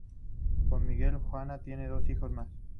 Con Miguel, Juana tiene dos hijos más.